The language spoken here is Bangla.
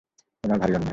তোমার ভারি অন্যায়।